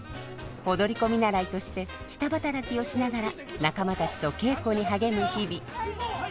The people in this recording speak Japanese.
踊り子見習いとして下働きをしながら仲間たちと稽古に励む日々。